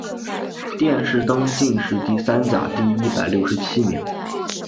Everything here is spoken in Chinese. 殿试登进士第三甲第一百六十七名。